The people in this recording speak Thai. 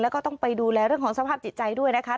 แล้วก็ต้องไปดูแลเรื่องของสภาพจิตใจด้วยนะคะ